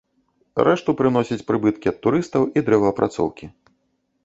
Рэшту прыносяць прыбыткі ад турыстаў і дрэваапрацоўкі.